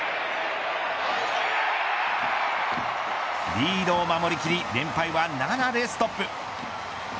リードを守りきり連敗は７でストップ。